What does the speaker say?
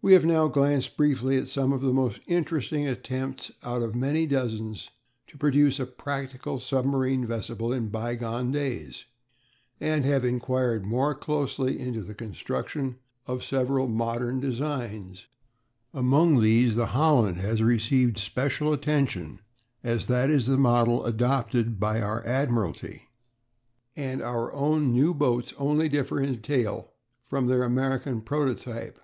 We have now glanced briefly at some of the most interesting attempts out of many dozens to produce a practicable submarine vessel in bygone days; and have inquired more closely into the construction of several modern designs; among these the Holland has received especial attention, as that is the model adopted by our Admiralty, and our own new boats only differ in detail from their American prototype.